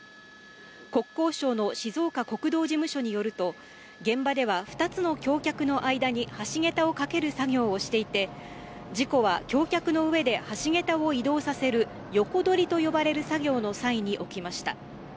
国交省の静岡国道事務所によると、現場では２つの橋脚の間に橋桁を架ける作業をしていて、事故は橋脚の上で橋桁を移動させる横取りと呼ばれる作業の際に起きました。